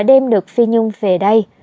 đem được phi nhung về đây